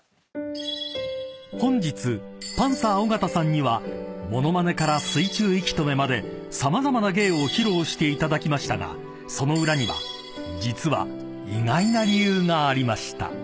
［本日パンサー尾形さんにはものまねから水中息止めまで様々な芸を披露していただきましたがその裏には実は意外な理由がありました］